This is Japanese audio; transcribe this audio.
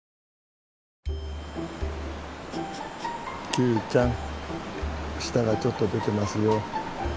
キュウちゃん舌がちょっと出てますよ。